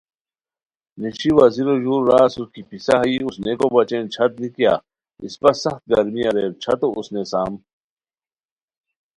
نیشی وزیرو ژور را اسور کی پِسہ ہائی اوسنئیکو بچے چھت نیکیا؟ اسپہ سخت گرمی اریر، چھتو اوسنیسام